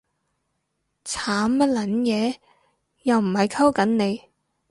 慘乜撚嘢？，又唔係溝緊你